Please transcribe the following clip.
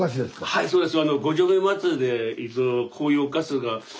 はいそうです。